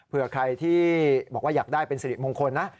เพื่อใครที่บอกว่าอยากได้เป็นสิริมงคลนะ